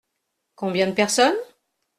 Combien de personnes ?